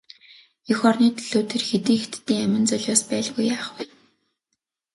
Эх орны төлөө тэр хэдэн хятадын амин золиос байлгүй яах вэ?